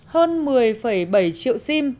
hơn một mươi bảy triệu sim